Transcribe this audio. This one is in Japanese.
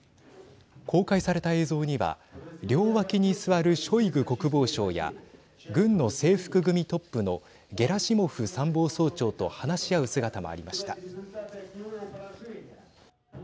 公開された映像には両脇に座るショイグ国防相や軍の制服組トップのゲラシモフ参謀総長と話し合う姿もありました。